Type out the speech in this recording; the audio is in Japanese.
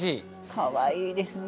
かわいいですね。